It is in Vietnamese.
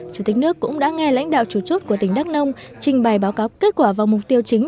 chủ tịch nước cũng đã nghe lãnh đạo chủ chốt của tỉnh đắk nông trình bày báo cáo kết quả và mục tiêu chính